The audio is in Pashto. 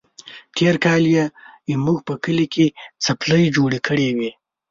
تېر کال يې زموږ په کلي کې څپلۍ جوړه کړې وه.